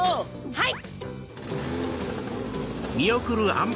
はい！